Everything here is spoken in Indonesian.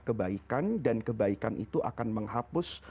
kebaikan dan kebaikan itu akan menghapus